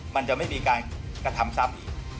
มันจะไม่มีการกระทำซ่ำอีก